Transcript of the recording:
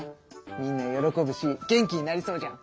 みんな喜ぶし元気になりそうじゃん！